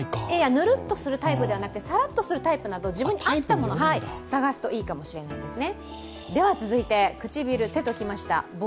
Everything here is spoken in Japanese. ぬるっとするタイプではなくさらっとするタイプ自分に合ったタイプを探すといいかもしれないですね。